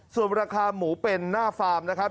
ส่วนราคาหมูเป็นหน้าฟาร์มนะครับ